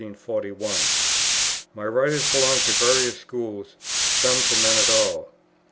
My writers belonged to various schools, some to none at all.